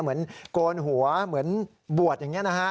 โกนหัวเหมือนบวชอย่างนี้นะฮะ